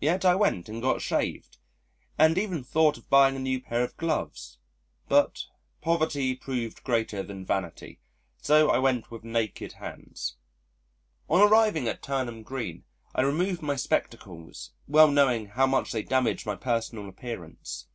Yet I went and got shaved, and even thought of buying a new pair of gloves, but poverty proved greater than vanity, so I went with naked hands. On arriving at Turnham Green, I removed my spectacles (well knowing how much they damage my personal appearance).